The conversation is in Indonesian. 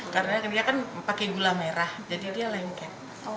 karena dia kan pakai gula merah jadi dia lengket